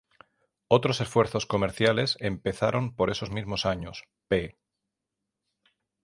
Otros esfuerzos comerciales empezaron por esos mismos años, "p.